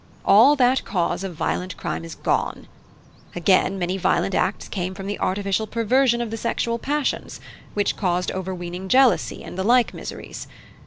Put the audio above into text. All that cause of violent crime is gone. Again, many violent acts came from the artificial perversion of the sexual passions, which caused overweening jealousy and the like miseries.